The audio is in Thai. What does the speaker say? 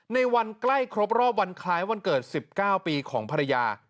ในวันใกล้ครบรอบวันคล้ายวันเกิด๑๙ปีของภรรยา